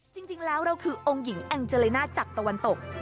จริงแล้วเราคือองค์หญิงแองเจลิน่าจากตะวันตก